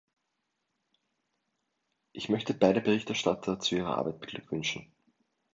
Ich möchte beide Berichterstatter zu ihrer Arbeit beglückwünschen.